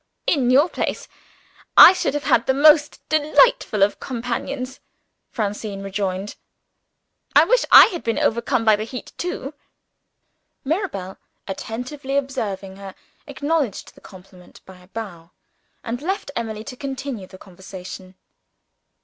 "In your place, I should have had the most delightful of companions," Francine rejoined; "I wish I had been overcome by the heat too!" Mirabel attentively observing her acknowledged the compliment by a bow, and left Emily to continue the conversation.